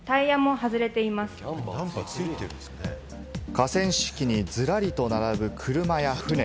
河川敷にずらりと並ぶ車や船。